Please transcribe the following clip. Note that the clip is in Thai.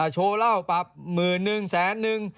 โชว์เหล้าปรับหมื่นนึงแสนนึง